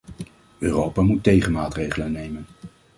Europa moet tegenmaatregelen nemen.